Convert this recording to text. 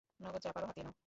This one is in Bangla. নগদ যা পার হাতিয়ে নাও।